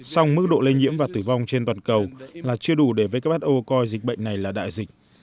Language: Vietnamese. song mức độ lây nhiễm và tử vong trên toàn cầu là chưa đủ để who coi dịch bệnh này là đại dịch